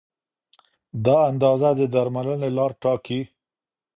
دا اندازه د درملنې لار ټاکي.